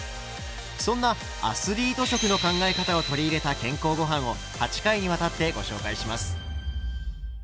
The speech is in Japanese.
そんな「アスリート食」の考え方を取り入れた健康ごはんを８回にわたってご紹介します。